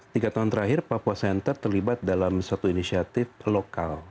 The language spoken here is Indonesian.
tiga tahun terakhir papua center terlibat dalam satu inisiatif lokal